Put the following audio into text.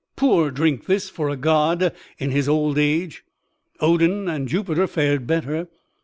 "Poor drink this for a god in his old age. Odin and Jupiter fared better.